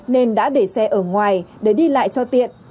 nên đã để xe ở ngoài để đi lại cho tiện